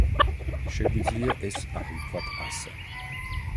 შეგვიძლია ეს აღვიქვათ ასე.